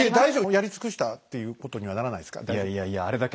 やり尽くしたということにはならないですか大丈夫？